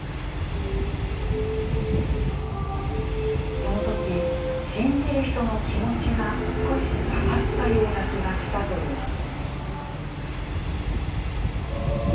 そのとき、信じる人の気持ちが少し分かったような気がしたといいます。